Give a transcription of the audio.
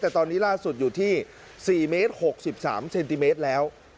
แต่ตอนนี้ล่าสุดอยู่ที่๔เมตร๖๓เซนติเมตรแล้ว